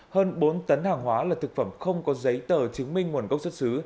hơn bốn tấn hàng hóa là thực phẩm không có giấy tờ chứng minh nguồn gốc xuất xứ